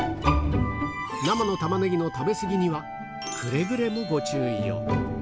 生のタマネギの食べ過ぎには、くれぐれもご注意を。